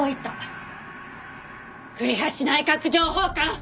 栗橋内閣情報官！